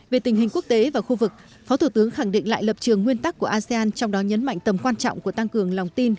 về tình hình quốc tế và khu vực phó thủ tướng khẳng định lại lập trường nguyên tắc của asean trong đó nhấn mạnh tầm quan trọng của tăng cường lòng tin